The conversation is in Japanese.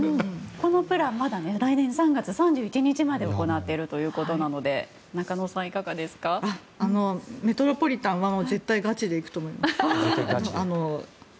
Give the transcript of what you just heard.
このプラン来年３月３１日まで行っているということなのでメトロポリタンは絶対ガチで行くと思います。